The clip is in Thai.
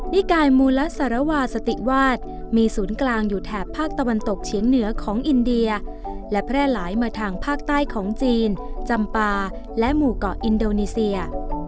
นิกายมูลสารวาสติวาสมีศูนย์กลางอยู่แถบภาคตะวันตกเฉียงเหนือของอินเดียและแพร่หลายมาทางภาคใต้ของจีนจำปาและหมู่เกาะอินโดนีเซีย